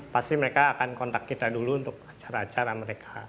pasti mereka akan kontak kita dulu untuk acara acara mereka